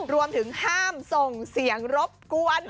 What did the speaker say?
รวมถึงห้ามส่งเสียงรบกวน